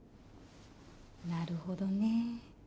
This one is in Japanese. なるほどね。